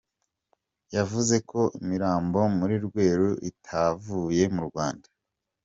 Yavuze ko imirambo muri Rweru itavuye mu Rwanda.